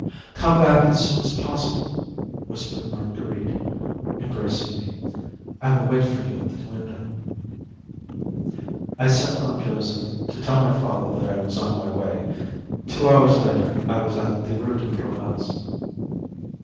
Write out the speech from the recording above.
"Come back as soon as possible," whispered Marguerite, embracing me; "I will wait for you at the window." I sent on Joseph to tell my father that I was on my way. Two hours later I was at the Rue de Provence.